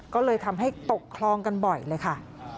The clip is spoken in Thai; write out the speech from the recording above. ก็เลยทำให้ตกคลองกันบ่อยเลยค่ะ